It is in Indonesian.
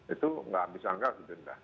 itu tidak bisa dianggap denda